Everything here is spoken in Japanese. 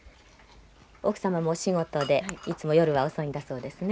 奥さまもお仕事でいつも夜は遅いんだそうですね。